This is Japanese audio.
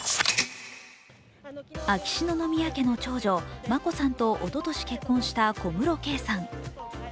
秋篠宮家の長女・眞子さんとおととし結婚した小室圭さん。